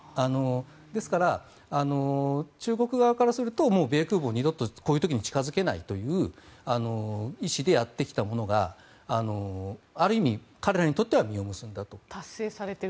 ですから、中国側からすると米空母はこういう時に二度と近付けないという意思でやってきたものがある意味、彼らにとっては実を結んだと。